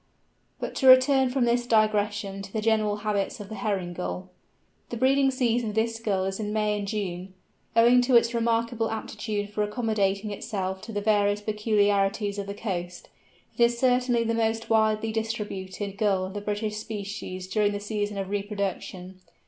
But to return from this digression to the general habits of the Herring Gull. The breeding season of this Gull is in May and June. Owing to its remarkable aptitude for accommodating itself to the various peculiarities of the coast, it is certainly the most widely dispersed Gull of the British species during the season of reproduction.